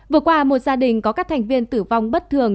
vừa qua một gia đình có các thành viên tử vong bất thường